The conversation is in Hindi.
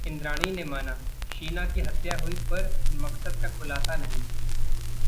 इंद्राणी ने माना- शीना की हत्या हुई पर मकसद का खुलासा नहीं